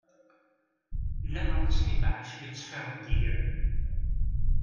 Llan aṭas n ibeɛɛac i yettṣeffiṛen deg yigran.